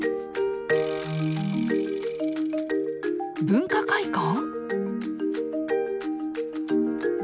「文化会館」？